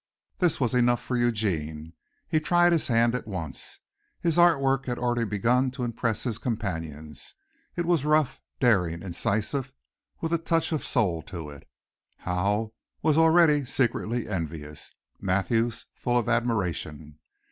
This was enough for Eugene. He tried his hand at once. His art work had already begun to impress his companions. It was rough, daring, incisive, with a touch of soul to it. Howe was already secretly envious, Mathews full of admiration.